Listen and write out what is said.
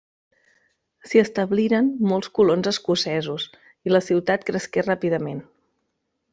S'hi establiren molts colons escocesos i la ciutat cresqué ràpidament.